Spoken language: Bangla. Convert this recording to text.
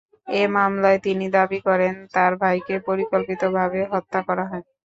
এ মামলায় তিনি দাবি করেন, তাঁর ভাইকে পরিকল্পিতভাবে হত্যা করা হয়।